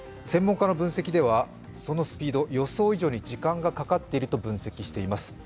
専門家の分析では、そのスピード、予想以上に時間がかかっていると分析しています。